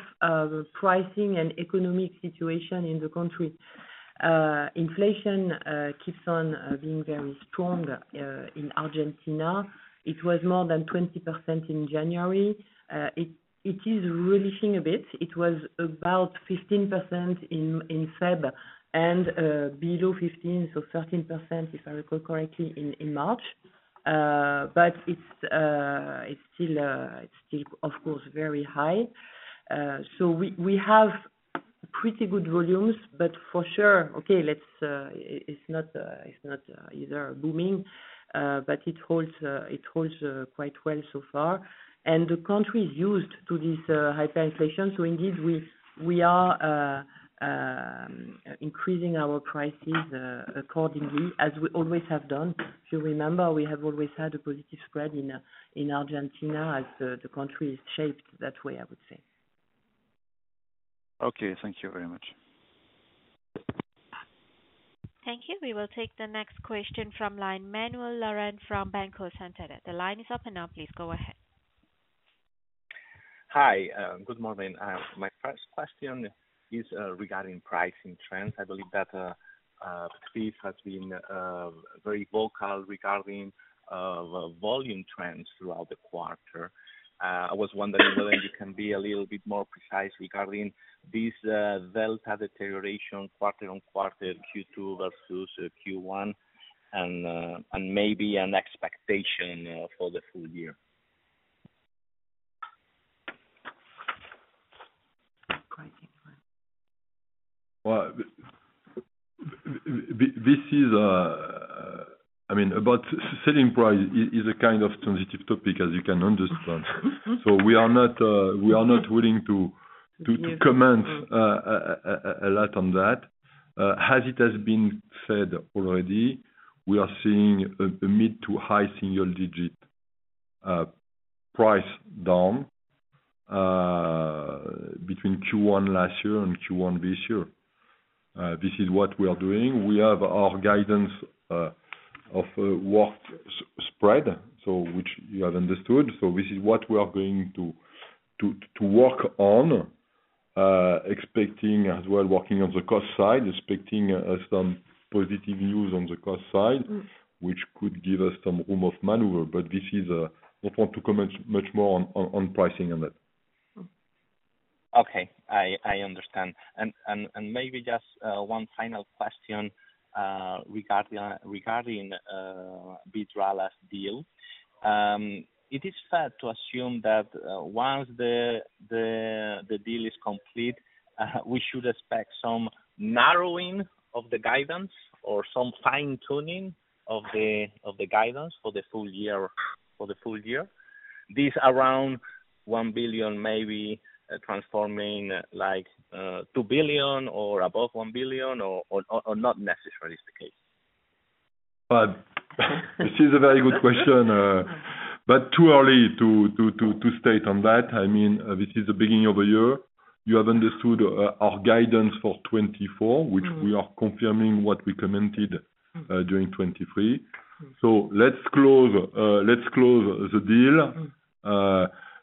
pricing and economic situation in the country, inflation keeps on being very strong in Argentina. It was more than 20% in January. It is relenting a bit. It was about 15% in February, and below 15%, so 13%, if I recall correctly, in March. But it's still, it's still of course, very high. So we have pretty good volumes, but for sure, it's not either booming, but it holds, it holds quite well so far. And the country is used to this hyperinflation, so indeed we are increasing our prices accordingly, as we always have done. If you remember, we have always had a positive spread in Argentina, as the country is shaped that way, I would say. Okay, thank you very much. Thank you. We will take the next question from line, Manuel Lorente from Banco Santander. The line is open now, please go ahead. Hi, good morning. My first question is regarding pricing trends. I believe that Patrice has been very vocal regarding volume trends throughout the quarter. I was wondering whether you can be a little bit more precise regarding this delta deterioration quarter on quarter, Q2 versus Q1, and and maybe an expectation for the full-year. Well, this is, I mean, about selling price is a kind of sensitive topic, as you can understand. So we are not willing to comment a lot on that. As it has been said already, we are seeing a mid- to high-single-digit price down between Q1 last year and Q1 this year. This is what we are doing. We have our guidance of work spread, so which you have understood. So this is what we are going to work on, expecting as well, working on the cost side, expecting some positive news on the cost side-which could give us some room of maneuver. But this is, I don't want to comment much more on pricing on that. Okay, I understand. And maybe just one final question regarding the Vidrala deal. It is fair to assume that once the deal is complete, we should expect some narrowing of the guidance or some fine tuning of the guidance for the full-year? This around 1 billion, maybe transforming like 2 billion or above 1 billion, or not necessarily is the case? But this is a very good question, but too early to state on that. I mean, this is the beginning of the year. You have understood our guidance for 2024 which we are confirming what we commented... during 2023. So let's close, let's close the deal.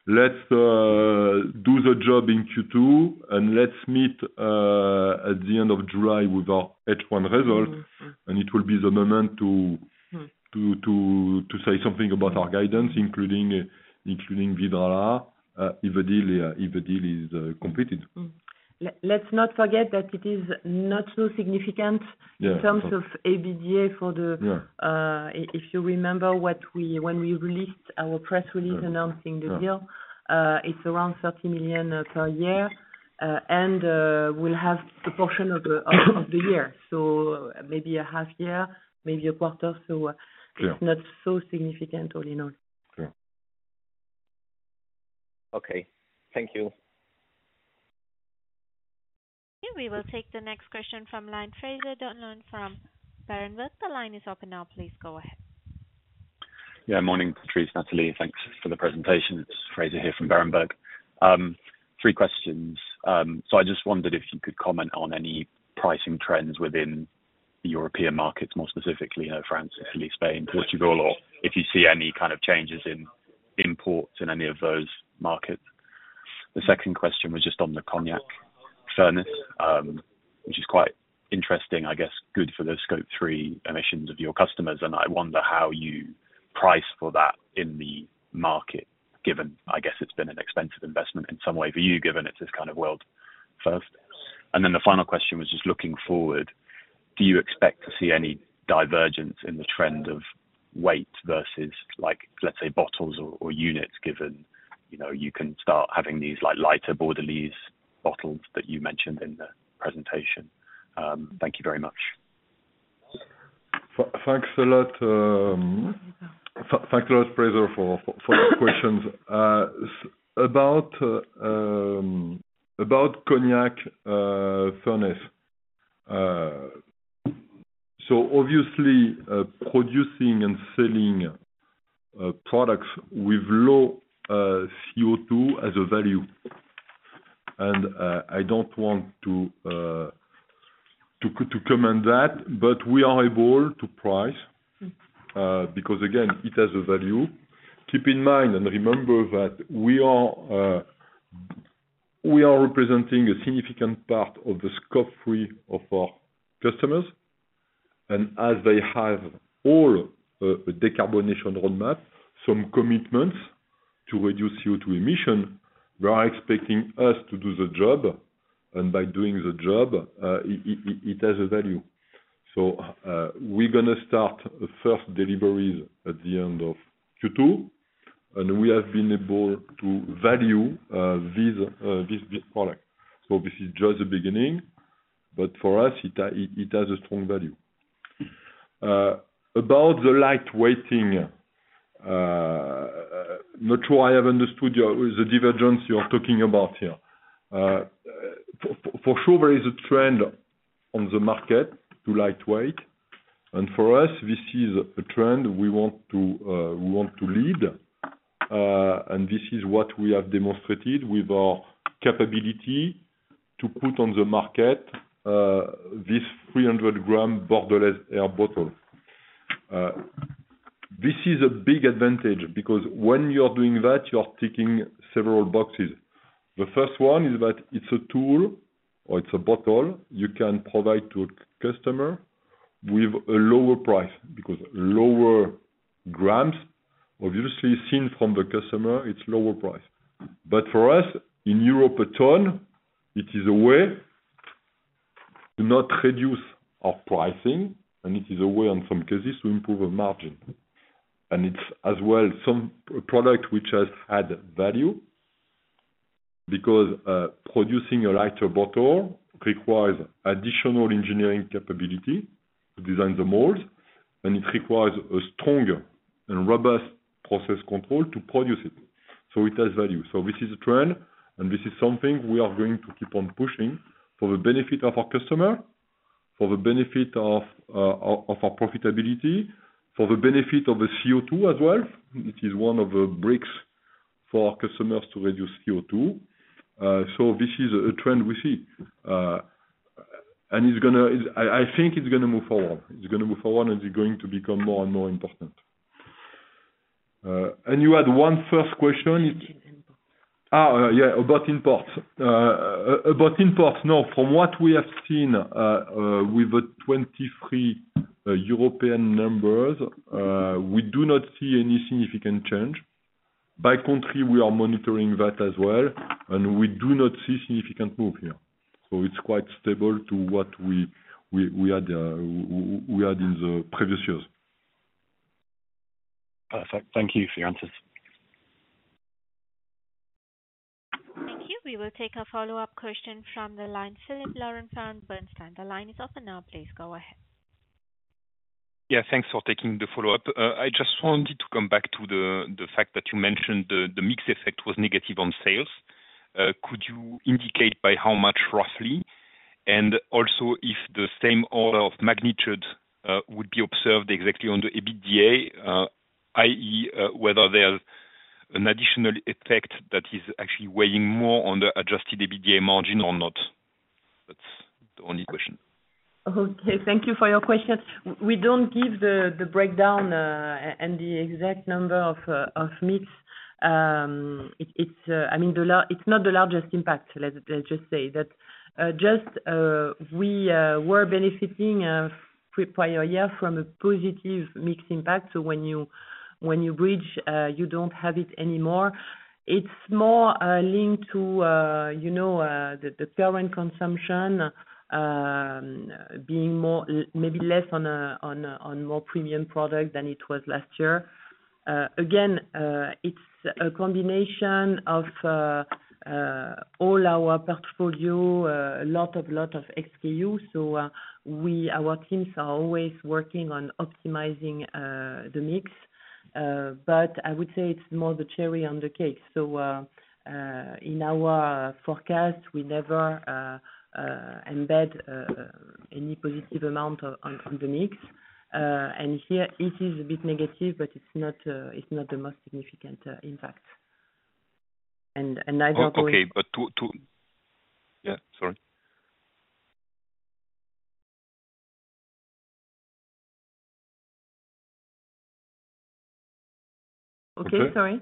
Let's do the job in Q2, and let's meet at the end of July with our H1 result. It will be the moment to-... to say something about our guidance, including Vidrala, if the deal is completed. Let's not forget that it is not so significant- Yeah... in terms of EBITDA for the- Yeah. If you remember what we, when we released our press release- Yeah... announcing the deal- Yeah... it's around 30 million per year. And we'll have the portion of the year, so maybe a half year, maybe a quarter. So- Sure... it's not so significant, all in all. Sure. Okay. Thank you. We will take the next question from line, Fraser Donlon from Berenberg. The line is open now, please go ahead. Yeah, morning Patrice, Nathalie. Thanks for the presentation. It's Fraser here from Berenberg. Three questions. So I just wondered if you could comment on any pricing trends within the European markets, more specifically, you know, France, Italy, Spain, Portugal, or if you see any kind of changes in imports in any of those markets? The second question was just on the cognac furnace, which is quite interesting, I guess, good for the Scope three emissions of your customers. And I wonder how you price for that in the market, given, I guess, it's been an expensive investment in some way for you, given it's this kind of world first. Then the final question was just looking forward, do you expect to see any divergence in the trend of weight versus like, let's say, bottles or, or units, given, you know, you can start having these, like, lighter Bordelaise bottles that you mentioned in the presentation? Thank you very much. Thanks a lot, You're welcome... Thanks a lot, Fraser, for those questions. About Cognac furnace. So obviously, producing and selling products with low CO2 as a value, and I don't want to comment that, but we are able to price-... because again, it has a value. Keep in mind and remember that we are, we are representing a significant part of the Scope 3 of our customers. And as they have all, a decarbonization roadmap, some commitments to reduce CO2 emission, they are expecting us to do the job. And by doing the job, it has a value. So, we're gonna start the first deliveries at the end of Q2, and we have been able to value this product. So this is just the beginning, but for us, it has a strong value. About the lightweighting, not sure I have understood your, the divergence you are talking about here. For sure there is a trend on the market to lightweight, and for us, this is a trend we want to, we want to lead. And this is what we have demonstrated with our capability to put on the market, this 300-gram Bordelaise Air bottle. This is a big advantage because when you are doing that, you are ticking several boxes. The first one is that it's a tool or it's a bottle you can provide to a customer with a lower price, because lower grams, obviously seen from the customer, it's lower price. But for us, in Europe, a ton, it is a way to not reduce our pricing, and it is a way, in some cases, to improve our margin. And it's as well some product which has had value because, producing a lighter bottle requires additional engineering capability to design the mold, and it requires a stronger and robust process control to produce it. So it has value. So this is a trend, and this is something we are going to keep on pushing for the benefit of our customer, for the benefit of, of our profitability, for the benefit of the CO2 as well. It is one of the bricks for our customers to reduce CO2. So this is a trend we see. And it's gonna—I, I think it's gonna move forward. It's gonna move forward, and it's going to become more and more important. And you had one first question? About import. Yeah, about imports. About imports, no, from what we have seen, with the 2023 European numbers, we do not see any significant change. By country, we are monitoring that as well, and we do not see significant move here. So it's quite stable to what we had in the previous years. Perfect. Thank you for your answers. Thank you. We will take a follow-up question from the line, Philippe Laurent from Bernstein. The line is open now, please go ahead. Yeah, thanks for taking the follow-up. I just wanted to come back to the fact that you mentioned the mix effect was negative on sales. Could you indicate by how much, roughly? And also, if the same order of magnitude would be observed exactly on the EBITDA, i.e., whether there's an additional effect that is actually weighing more on the adjusted EBITDA margin or not? That's the only question. Okay, thank you for your question. We don't give the breakdown and the exact number of mix. It's, I mean, it's not the largest impact. Let's just say that we were benefiting prior year from a positive mix impact, so when you bridge, you don't have it anymore. It's more linked to, you know, the current consumption being maybe less on more premium product than it was last year. Again, it's a combination of all our portfolio, a lot of SKU. So, our teams are always working on optimizing the mix, but I would say it's more the cherry on the cake. So, in our forecast, we never embed any positive amount on the mix. And here it is a bit negative, but it's not the most significant impact. And neither are we- Okay, but yeah, sorry. Okay, sorry. There, there was a cut? Oh, yeah. Sorry. I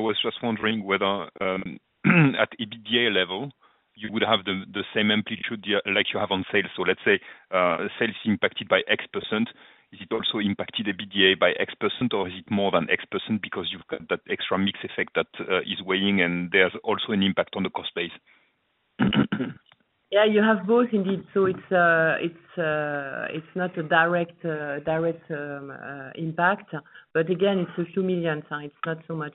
was just wondering whether, at EBITDA level, you would have the same amplitude, yeah, like you have on sales. So let's say, sales is impacted by X%, is it also impacted EBITDA by X%, or is it more than X% because you've got that extra mix effect that is weighing, and there's also an impact on the cost base? Yeah, you have both indeed. So it's not a direct impact. But again, it's a few million EUR, so it's not so much.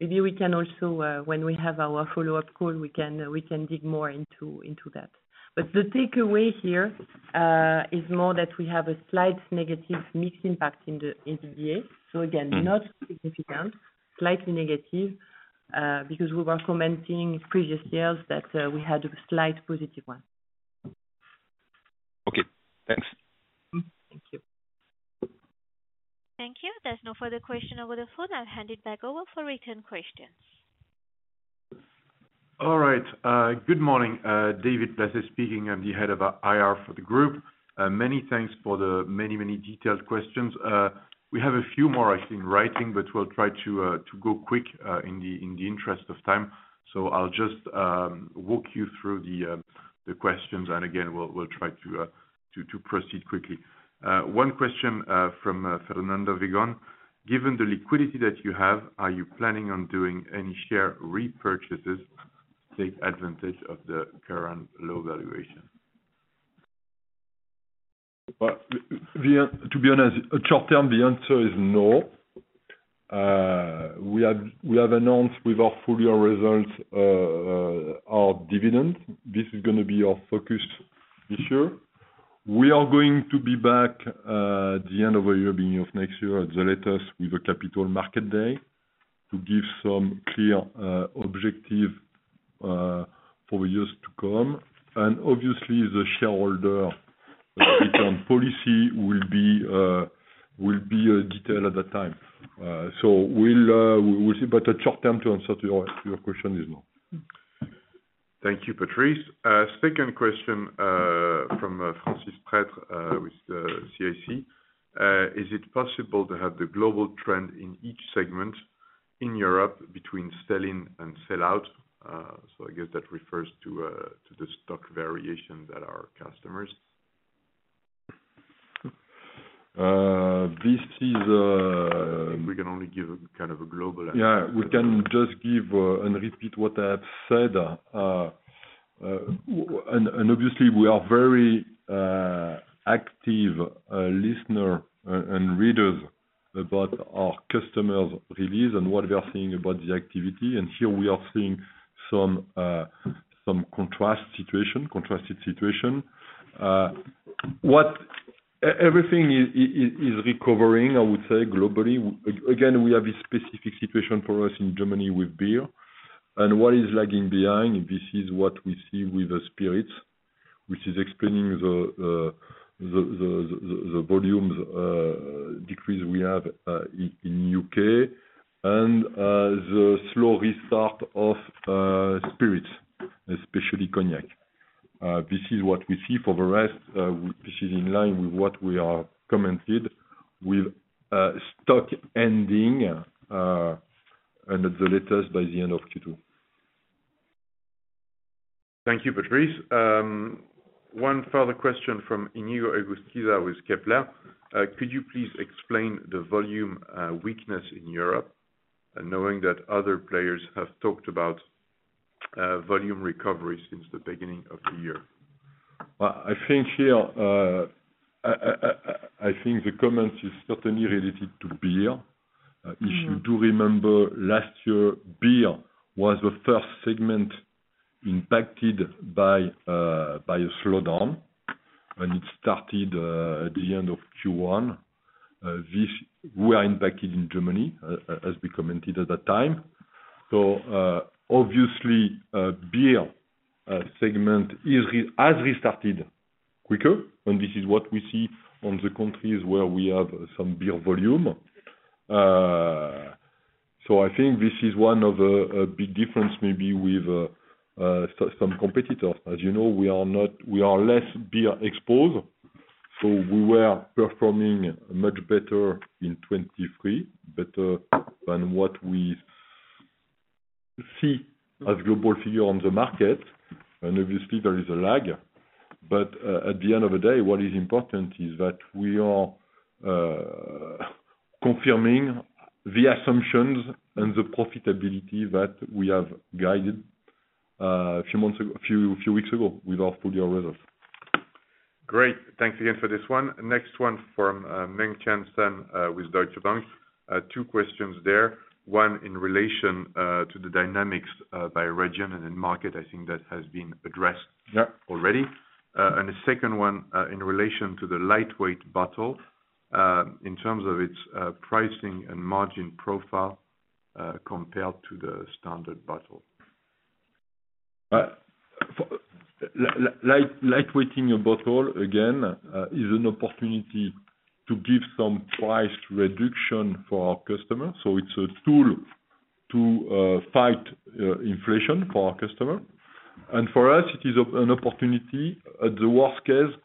Maybe we can also, when we have our follow-up call, we can dig more into that. But the takeaway here is more that we have a slight negative mix impact in the EBITDA. So again, not significant, slightly negative, because we were commenting previous years that we had a slight positive one. Okay, thanks. Thank you. Thank you. There's no further question over the phone. I'll hand it back over for written questions. All right. Good morning, David Placet speaking. I'm the head of our IR for the group. Many thanks for the many, many detailed questions. We have a few more, I think, in writing, but we'll try to go quick in the interest of time. So I'll just walk you through the questions, and again, we'll try to proceed quickly. One question from Fernando Vigon: Given the liquidity that you have, are you planning on doing any share repurchases to take advantage of the current low valuation? Well, to be honest, short term, the answer is no. We have announced with our full-year results, our dividend. This is gonna be our focus this year. We are going to be back, at the end of the year, beginning of next year at the latest, with a capital market day, to give some clear, objective, for years to come. And obviously, the shareholder return policy will be detailed at that time. So we'll see, but the short term to answer to your question is no. Thank you, Patrice. Second question from Francis Prêtre with CIC. Is it possible to have the global trend in each segment in Europe between sell-in and sell-out? So I guess that refers to the stock variation that our customers. This is, We can only give kind of a global answer. Yeah, we can just give and repeat what I have said. And obviously we are very active listener and readers about our customers' reviews and what we are seeing about the activity. And here we are seeing some contrast situation, contrasted situation. Everything is recovering, I would say globally. Again, we have a specific situation for us in Germany with beer. And what is lagging behind, this is what we see with the spirits, which is explaining the volumes decrease we have in U.K. And the slow restart of spirits, especially Cognac. This is what we see for the rest, this is in line with what we are commented with, stock ending, and at the latest, by the end of Q2. Thank you, Patrice. One further question from Inigo Egusquiza with Kepler. Could you please explain the volume weakness in Europe, knowing that other players have talked about volume recovery since the beginning of the year? Well, I think here, I think the comment is certainly related to beer. If you do remember, last year, beer was the first segment impacted by a slowdown, and it started at the end of Q1. This, we are impacted in Germany, as we commented at that time. So, obviously, beer segment has restarted quicker, and this is what we see on the countries where we have some beer volume. So I think this is one of the big differences maybe with some competitors. As you know, we are less beer exposed, so we were performing much better in 2023, better than what we see as global figure on the market, and obviously there is a lag. But, at the end of the day, what is important is that we are confirming the assumptions and the profitability that we have guided a few months ago—a few weeks ago with our full-year results. Great. Thanks again for this one. Next one from, Mengxian Sun, with Deutsche Bank. Two questions there. One, in relation, to the dynamics, by region and in market. I think that has been addressed- Yeah... already. And the second one, in relation to the lightweight bottle, in terms of its pricing and margin profile, compared to the standard bottle. Lightweighting a bottle, again, is an opportunity to give some price reduction for our customers. So it's a tool to fight inflation for our customer. And for us, it is an opportunity at the worst case,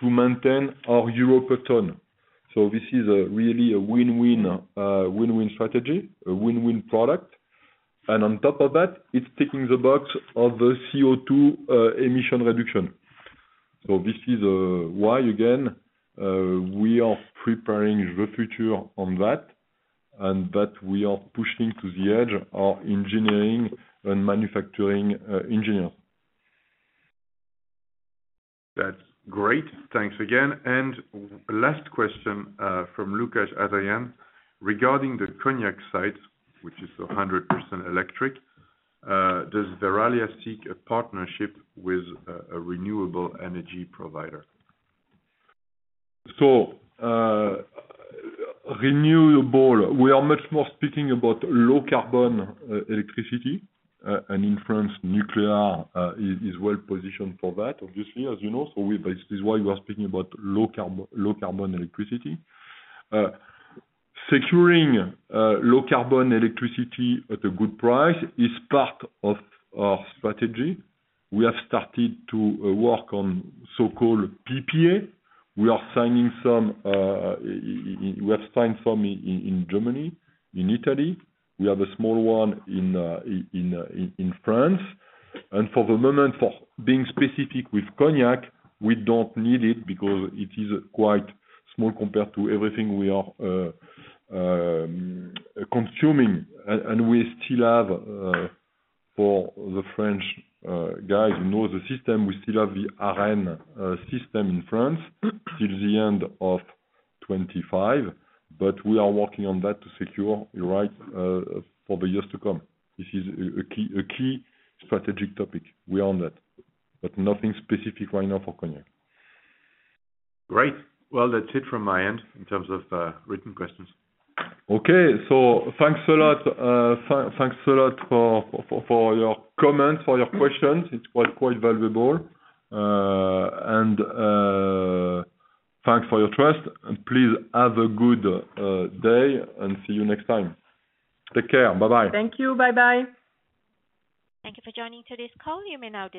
to maintain our EUR per ton. So this is really a win-win, win-win strategy, a win-win product. And on top of that, it's ticking the box of the CO2 emission reduction. So this is why, again, we are preparing the future on that, and that we are pushing to the edge of engineering and manufacturing, engineer. That's great. Thanks again. And last question from Lucas Adrian, regarding the Cognac site, which is 100% electric, does Verallia seek a partnership with a renewable energy provider? So, renewable, we are much more speaking about low carbon electricity. And in France, nuclear is well positioned for that, obviously, as you know. But this is why we are speaking about low carbon electricity. Securing low carbon electricity at a good price is part of our strategy. We have started to work on so-called PPA. We have signed some in Germany, in Italy. We have a small one in France. And for the moment, for being specific with Cognac, we don't need it because it is quite small compared to everything we are consuming. And we still have, for the French guys who know the system, the ARENH system in France. till the end of 2025. But we are working on that to secure the right, for the years to come. This is a key strategic topic. We are on that, but nothing specific right now for Cognac. Great. Well, that's it from my end, in terms of written questions. Okay. So thanks a lot, thanks, thanks a lot for your comments, for your questions. It was quite valuable. And thanks for your trust, and please have a good day, and see you next time. Take care. Bye-bye. Thank you. Bye-bye. Thank you for joining today's call. You may now disconnect.